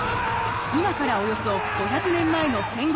今からおよそ５００年前の戦国時代。